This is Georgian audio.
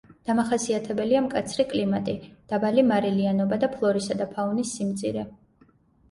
დამახასიათებელია მკაცრი კლიმატი, დაბალი მარილიანობა და ფლორისა და ფაუნის სიმწირე.